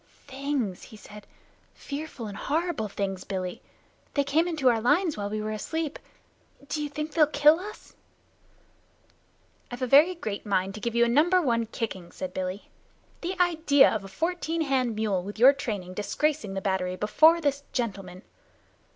"Things!" he said. "Fearful and horrible, Billy! They came into our lines while we were asleep. D'you think they'll kill us?" "I've a very great mind to give you a number one kicking," said Billy. "The idea of a fourteen hand mule with your training disgracing the battery before this gentleman!"